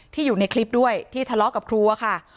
อยู่ในคลิปด้วยที่ทะเลาะกับครัวค่ะ